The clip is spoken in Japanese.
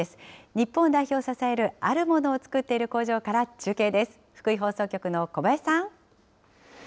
日本代表を支えるあるものを作っている工場から中継です。